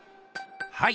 はい。